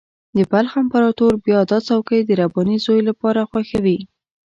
د بلخ امپراطور بیا دا څوکۍ د رباني زوی لپاره خوښوي.